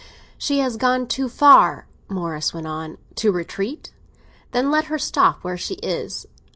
"She has gone too far," Morris went on. "To retreat? Then let her stop where she is."